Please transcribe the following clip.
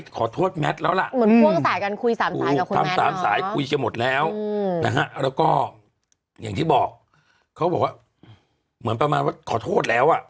ควรมาเคลียร์แล้ว